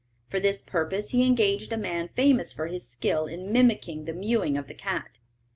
For this purpose he engaged a man famous for his skill in mimicking the mewing of the cat.